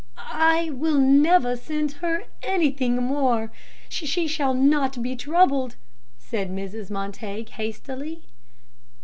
"I will never send her anything more she shall not be troubled," said Mrs. Montague, hastily.